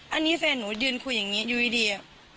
อันนี้แฟนหนูเดินคุยหยณอยู่ดี